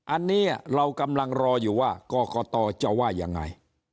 อันนี้เรากำลังรออยู่ว่ากรกตจะว่ายังไง